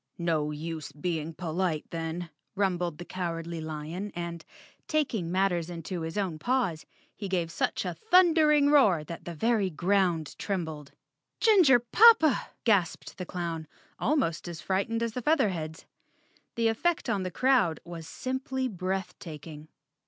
"No use being polite then," rumbled the Cowardly Lion and, taking matters into his own paws, he gave such a thundering roar that the very ground trembled. "Ginger poppa!" gasped the clown, almost as fright¬ ened as the Featherheads. The effect on the crowd was simply breath taking.